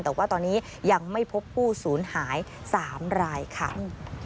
แต่ว่าตอนนี้ยังไม่พบผู้สูญหาย๓รายค่ะ